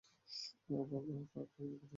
আহ, বাল ওহ, ফাক আমি দুঃখিত, আমি দুঃখিত।